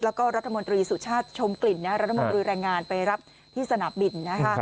แล้วก็รัฐมนตรีสุชาติชมกลิ่นรัฐมนตรีแรงงานไปรับที่สนามบินนะคะ